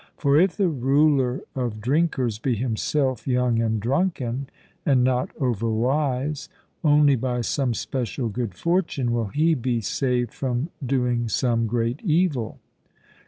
For if the ruler of drinkers be himself young and drunken, and not over wise, only by some special good fortune will he be saved from doing some great evil.